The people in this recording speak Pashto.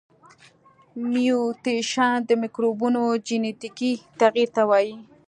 میوټیشن د مکروبونو جنیتیکي تغیر ته وایي.